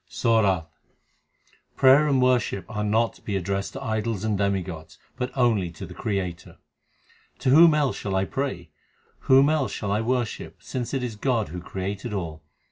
SORATH Prayer and worship are not to be addressed to idols and demigods, but only to the Creator : To whom else shall I pray ? whom else shall I worship, since it is God who created all